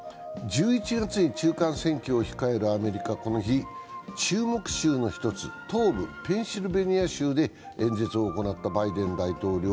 １１月に中間選挙を控えるアメリカはこの日、注目州の一つ、東部ペンシルベニア州で演説を行ったバイデン大統領。